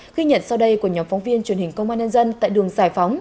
ghi nhận sau đây của nhóm phóng viên truyền hình công an nhân dân tại đường giải phóng